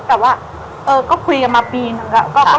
แต่ก็คุยกันมาปีนึง